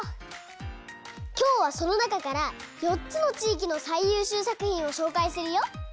きょうはそのなかから４つのちいきのさいゆうしゅうさくひんをしょうかいするよ。